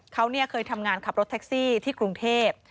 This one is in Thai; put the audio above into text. เขาเคยทำงานขับรถแท็กซี่ที่กรุงเทพ